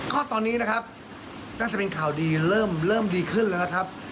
ก็ตอนนี้นะครับน่าจะเป็นข่าวดีเริ่มดีขึ้นแล้วนะครับ